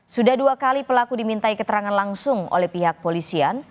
sudah dua kali pelaku dimintai keterangan langsung oleh pihak polisian